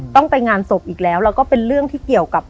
ต้องไปงานศพอีกแล้วแล้วก็เป็นเรื่องที่เกี่ยวกับ